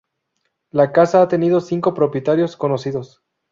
La casa ha tenido cinco propietarios conocidos.